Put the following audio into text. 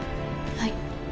はい。